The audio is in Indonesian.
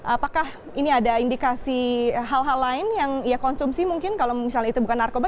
apakah ini ada indikasi hal hal lain yang ia konsumsi mungkin kalau misalnya itu bukan narkoba